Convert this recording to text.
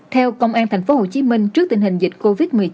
theo công an tp hcm trước tình hình dịch covid một mươi chín